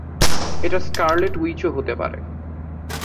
এটা স্কারলেট উইচও হতে পারে।